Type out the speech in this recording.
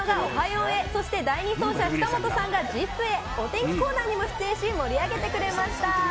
４へ、そして第２走者、久本さんがＺＩＰ！へ、お天気コーナーに出演し、盛り上げてくれました。